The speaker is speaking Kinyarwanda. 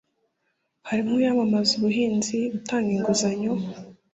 harimo iyamamazabuhinzi, gutanga inguzanyo,